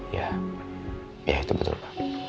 ya ya itu betul pak